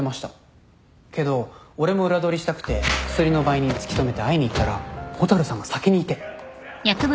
けど俺も裏取りしたくてクスリの売人突き止めて会いに行ったら蛍さんが先にいて。